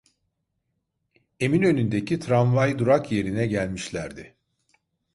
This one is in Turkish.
Eminönü’ndeki tramvay durak yerine gelmişlerdi.